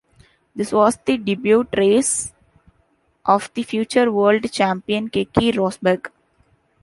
This was the debut race of the future world champion Keke Rosberg.